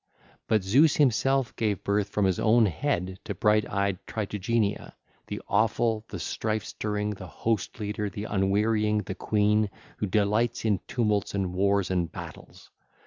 (ll. 924 929) But Zeus himself gave birth from his own head to bright eyed Tritogeneia 1629, the awful, the strife stirring, the host leader, the unwearying, the queen, who delights in tumults and wars and battles.